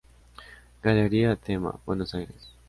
Galería Tema, Buenos Aires.